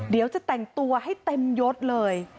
เดี๋ยวจะแต่งตัวให้เต็มยดเลย